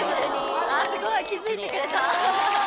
すごい気付いてくれた。